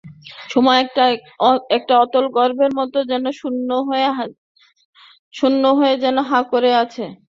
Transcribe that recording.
সময় একটা অতলস্পর্শ গর্তের মতো শূন্য হয়ে যেন হাঁ করে আছে।